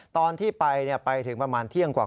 ตอนที่ไปไปถึงประมาณเที่ยงกว่า